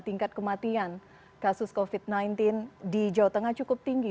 tingkat kematian kasus covid sembilan belas di jawa tengah cukup tinggi